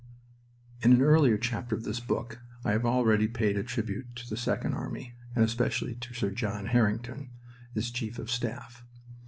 In an earlier chapter of this book I have already paid a tribute to the Second Army, and especially to Sir John Harington, its chief of staff.